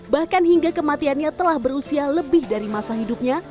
bahkan hingga kematiannya telah berusia lebih dari masa hidupnya